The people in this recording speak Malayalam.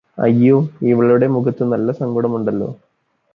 അയ്യോ ഇവളുടെ മുഖത്ത് നല്ല സങ്കടമുണ്ടല്ലോ